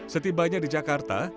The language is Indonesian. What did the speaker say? setibanya di jakarta